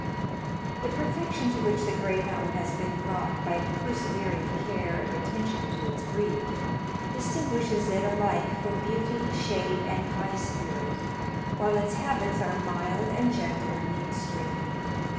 The perfection to which the greyhound has been brought by persevering care and attention to its breed, distinguishes it alike for beauty, shape, and high spirit, while its habits are mild and gentle in the extreme.